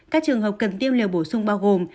các trường hợp cần tiêu liều bổ sung bao gồm